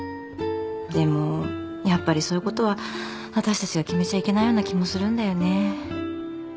でもやっぱりそういうことはわたしたちが決めちゃいけないような気もするんだよね。